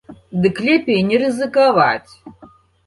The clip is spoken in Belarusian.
Дык лепей не рызыкаваць.